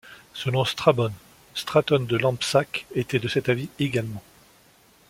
Selon Strabon, Straton de Lampsaque était de cet avis également.